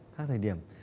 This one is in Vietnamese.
khác thời điểm